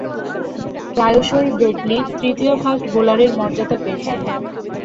প্রায়শঃই Brett Lee তৃতীয় ফাস্ট-বোলারের মর্যাদা পেয়েছেন।